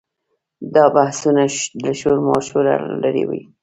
دا بحثونه له شورماشوره لرې وي.